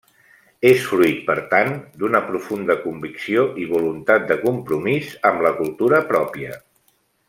És fruit, per tant, d'una profunda convicció i voluntat de compromís amb la cultura pròpia.